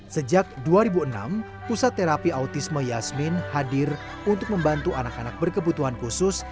sejak dua ribu enam pusat terapi autisme yasmin hadir untuk membantu anak anak berkebutuhan khusus